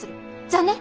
じゃあね。